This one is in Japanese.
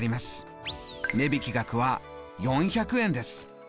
値引額は４００円です。